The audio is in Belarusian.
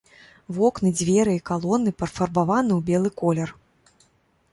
Вокны, дзверы і калоны пафарбаваны ў белы колер.